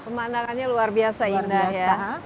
pemandangannya luar biasa indah ya